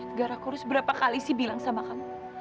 edgar aku harus berapa kali sih bilang sama kamu